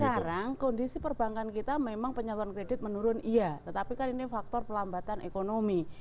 sekarang kondisi perbankan kita memang penyaluran kredit menurun iya tetapi kan ini faktor pelambatan ekonomi